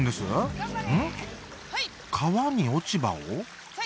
川に落ち葉を？